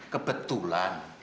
kebetulan pertemuan s dua itu